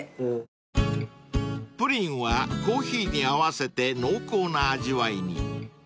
［プリンはコーヒーに合わせて濃厚な味わいに］